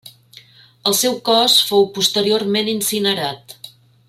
El seu cos fou posteriorment incinerat.